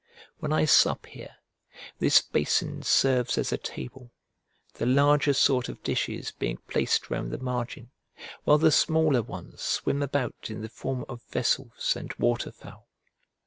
When I sup here, this basin serves as a table, the larger sort of dishes being placed round the margin, while the smaller ones swim about in the form of vessels and water fowl.